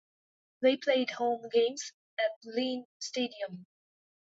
They played home games at Lynn Stadium.